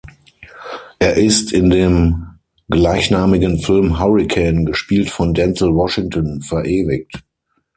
Er ist in dem gleichnamigen Film "Hurricane," gespielt von Denzel Washington, verewigt.